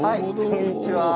こんにちは。